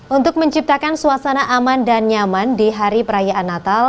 untuk menciptakan suasana aman dan nyaman di hari perayaan natal